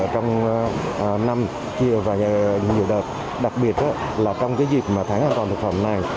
trong năm trưa và nhiều đợt đặc biệt là trong dịp tháng an toàn thực phẩm này